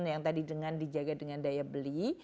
yang tadi dengan dijaga dengan daya beli